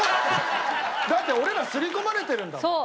だって俺ら刷り込まれてるんだもん。